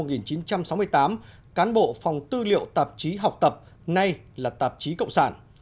tháng một mươi hai năm một nghìn chín trăm sáu mươi tám cán bộ phòng tư liệu tạp chí học tập nay là tạp chí cộng sản